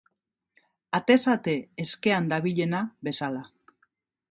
Atez ate eskean dabilena bezala.